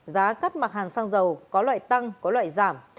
giá cắt mặt hàng xăng dầu có loại tăng có loại giảm